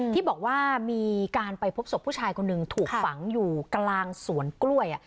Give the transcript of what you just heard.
ที่บอกว่ามีการไปพบศพผู้ชายคนหนึ่งถูกฝังอยู่กลางสวนกล้วย